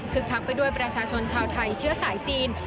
คักไปด้วยประชาชนชาวไทยเชื้อสายจีน